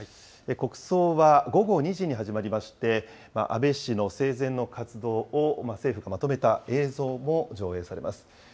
国葬は午後２時に始まりまして、安倍氏の生前の活動を政府がまとめた映像も上映されます。